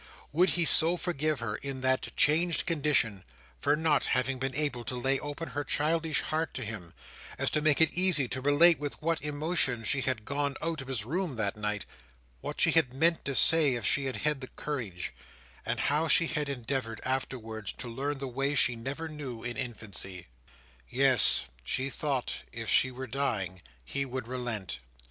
Would he so forgive her, in that changed condition, for not having been able to lay open her childish heart to him, as to make it easy to relate with what emotions she had gone out of his room that night; what she had meant to say if she had had the courage; and how she had endeavoured, afterwards, to learn the way she never knew in infancy? Yes, she thought if she were dying, he would relent.